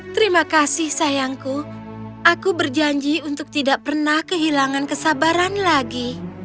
terima kasih sayangku aku berjanji untuk tidak pernah kehilangan kesabaran lagi